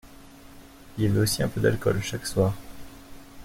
Il y avait aussi un peu d’alcool chaque soir.